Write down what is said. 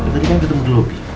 tadi kan ketemu di lobi